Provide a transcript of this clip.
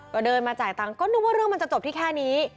ก็เดินมาจ่ายตังค์ก็นึกว่าเรื่องมันจะจบที่แค่นี้